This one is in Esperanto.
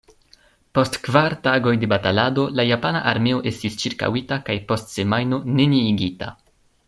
Post kvar tagoj de batalado la japana armeo estis ĉirkaŭita kaj post semajno neniigita.